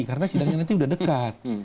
karena sidangnya nanti sudah dekat